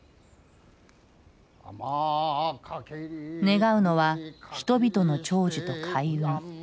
願うのは人々の長寿と開運。